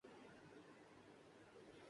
وہ گلابوں کی خوشبو سے بھرا ہوا ہے۔